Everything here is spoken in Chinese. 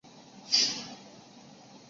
他的父亲也是一位足球运动员。